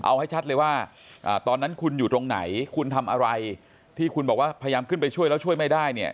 เอาให้ชัดเลยว่าตอนนั้นคุณอยู่ตรงไหนคุณทำอะไรที่คุณบอกว่าพยายามขึ้นไปช่วยแล้วช่วยไม่ได้เนี่ย